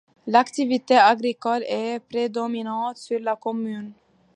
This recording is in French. L’activité agricole est prédominante sur la commune.